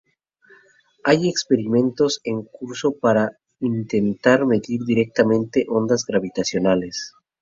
Hay experimentos en curso para intentar medir directamente ondas gravitacionales.